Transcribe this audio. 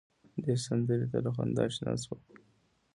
دې سندره ته له خندا شنه شوه.